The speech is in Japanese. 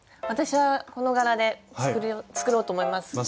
私はこの柄で作ろうと思います。